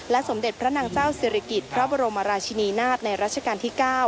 สมเด็จพระนางเจ้าศิริกิจพระบรมราชินีนาฏในรัชกาลที่๙